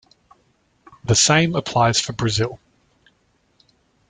The same applies for Brazil.